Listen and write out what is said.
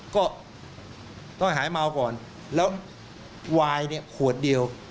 ก็ต้องหายเมาก่อนแล้วไวน์ขวดเดียว